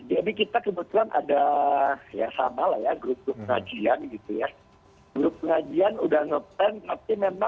jadi kita kebetulan ada ya sama lah ya grup grup kerajian gitu ya